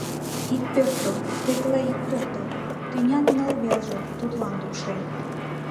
“Ит пӧртыл, тетла ит пӧртыл...” — “Тӱнян ныл велже” тудлан лупшен.